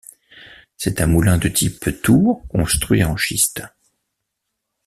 C'est un moulin de type tour construit en schiste.